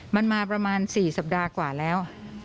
มันมาประมาณ๔สัปดาห์กว่าแล้ว